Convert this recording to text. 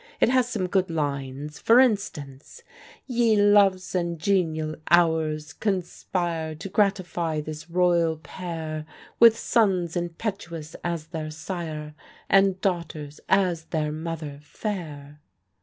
It has some good lines; for instance " 'Ye Loves and Genial Hours, conspire To gratify this Royal Pair With Sons impetuous as their Sire, And Daughters as their Mother fair!'